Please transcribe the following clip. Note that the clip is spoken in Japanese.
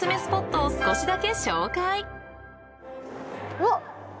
うわっ！